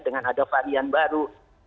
dengan ada varian baru